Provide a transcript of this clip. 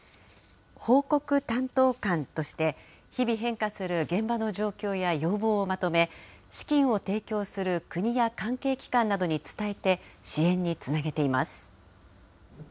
報告担当官として、日々変化する現場の状況や要望をまとめ、資金を提供する国や関係機関などに伝えて支援につなげています。